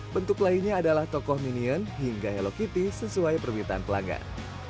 bentuk lainnya adalah tokoh minion hingga hello kitty sesuai permintaan pelanggan